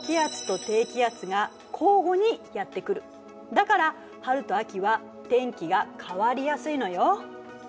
だから春と秋は天気が変わりやすいのよ。